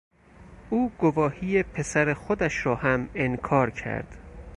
او گواهی پسر خودش را هم انکار کرد.